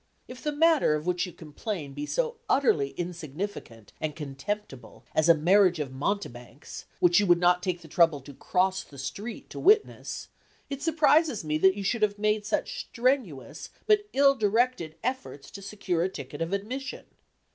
If the matter of which you complain be so utterly insignificant and contemptible as "a marriage of mountebanks, which you would not take the trouble to cross the street to witness," it surprises me that you should have made such strenuous, but ill directed efforts to secure a ticket of admission.